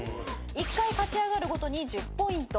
１回勝ち上がるごとに１０ポイント。